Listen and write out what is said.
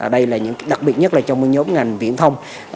đây là những đặc biệt nhất là trong nhóm ngành viễn thông